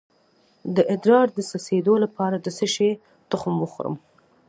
د ادرار د څڅیدو لپاره د څه شي تخم وخورم؟